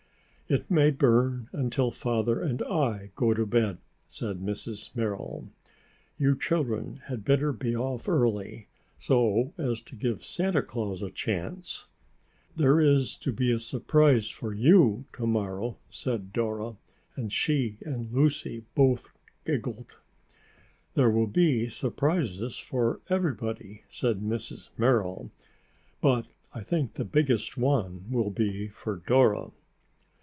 "It may burn until Father and I go to bed," said Mrs. Merrill. "You children had better be off early, so as to give Santa Claus a chance." "There is to be a surprise for you, to morrow," said Dora, and she and Lucy both giggled. "There will be surprises for everybody," said Mrs. Merrill, "but I think the biggest one will be for Dora."